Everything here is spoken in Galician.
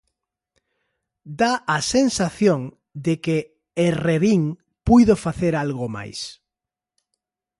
Dá a sensación de que Herrerín puido facer algo máis.